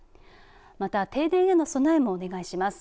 また停電への備えもお願いします。